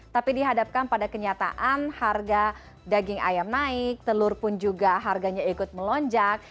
tapi dihadapkan pada kenyataan harga daging ayam naik telur pun juga harganya ikut melonjak